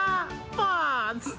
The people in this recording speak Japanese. ポーズ！